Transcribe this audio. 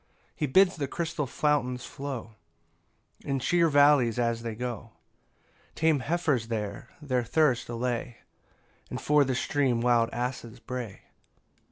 7 He bids the crystal fountains flow, And cheer the vallies as they go; Tame heifers there their thirst allay, And for the stream wild asses bray.